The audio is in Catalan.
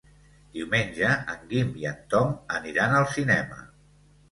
Diumenge en Guim i en Tom aniran al cinema.